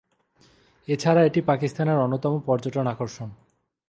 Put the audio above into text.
এছাড়া এটি পাকিস্তানের অন্যতম পর্যটন আকর্ষণ।